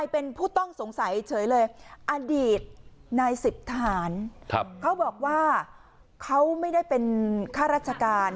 เป็นผู้ต้องสงสัยเฉยเลยอดีตนายสิบทหารเขาบอกว่าเขาไม่ได้เป็นข้าราชการ